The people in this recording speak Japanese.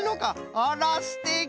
あらすてき！